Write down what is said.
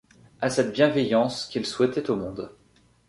À cette bienveillance qu’ils souhaitaient au monde.